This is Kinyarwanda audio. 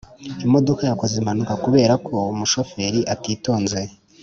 imodoka yakoze impanuka kubera ko umushoferi atitonze.